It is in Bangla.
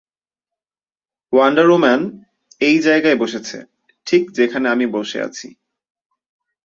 ওয়ান্ডার ওম্যান এই জায়গায় বসেছে, ঠিক যেখানে আমি বসে আছি।